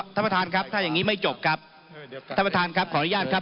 ท่านประธานครับถ้าอย่างนี้ไม่จบครับท่านประธานครับขออนุญาตครับ